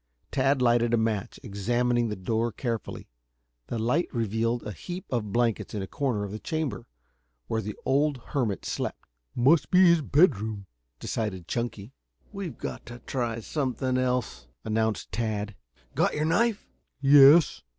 Tad lighted a match, examining the door carefully. The light revealed a heap of blankets in a corner of the chamber, where the old hermit slept. "Must be his bedroom," decided Chunky. "We've got to try something else," announced Tad. "Got your knife!" "Yes."